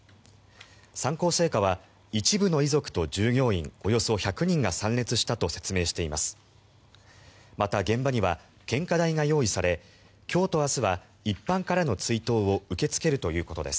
三幸製菓は一部の遺族と従業員およそ１００人が参列したと説明しています。